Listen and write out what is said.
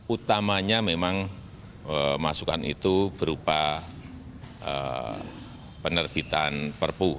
utamanya memang masukan itu berupa penerbitan perpu